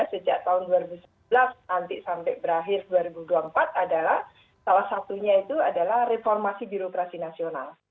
sejak tahun dua ribu sebelas nanti sampai berakhir dua ribu dua puluh empat adalah salah satunya itu adalah reformasi birokrasi nasional